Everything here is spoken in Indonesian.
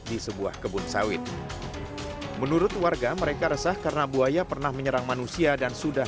di sebuah kebun sawit menurut warga mereka resah karena buaya pernah menyerang manusia dan sudah